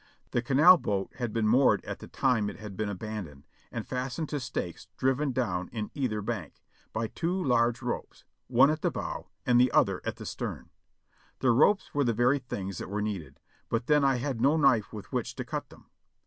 The canal boat had been moored at the time it had been abandoned, and fastened to stakes driven down in either bank, by two large ropes, one at the bow and the other at the stern. The ropes were the very things that were needed, but then I had no knife with which to cut them.